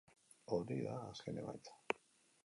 Hori da azken emaitza.